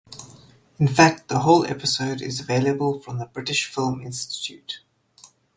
In fact the whole episode is available from the British Film Institute.